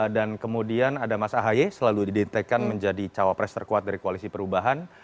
dan kemudian ada mas ahaye selalu didetekan menjadi cawapres terkuat dari koalisi perubahan